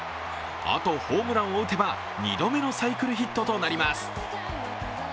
あとホームランを打てば、２度目のサイクルヒットとなります。